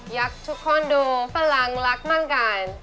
ยักษ์ทุกคนดูฝรั่งรักมาก่อน